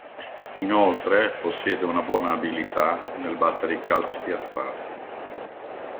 Inoltre, possiede una buona abilità nel battere i calci piazzati.